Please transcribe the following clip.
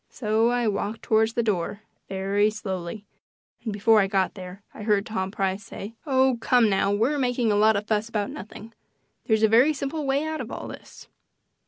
So I walked toward the door very slowly, and before I got there I heard Tom Price say: "Oh, come now; we're making a lot of fuss about nothing. There's a very simple way out of all this.